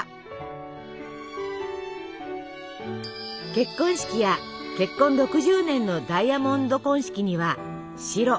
結婚式や結婚６０年のダイヤモンド婚式には白。